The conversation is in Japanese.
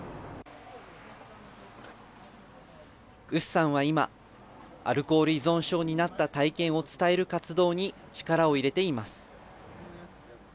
ＵＳＵさんは今、アルコール依存症になった体験を伝える活動に力を入れています。